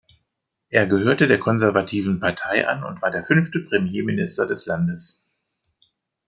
Er gehörte der Konservativen Partei an und war der fünfte Premierminister des Landes.